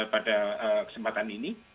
pada kesempatan ini